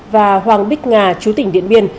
và hoàng bích ngà chú tỉnh điện biên